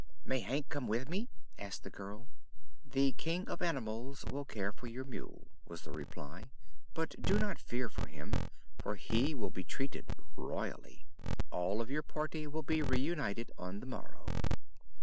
"May Hank come with me?" asked the girl. "The King of Animals will care for your mule," was the reply. "But do not fear for him, for he will be treated royally. All of your party will be reunited on the morrow."